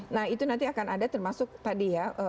nah itu nanti akan ada termasuk tadi ya